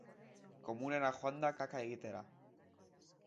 Komunera joan da kaka egitera.